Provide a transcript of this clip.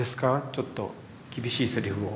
ちょっと厳しいセリフを。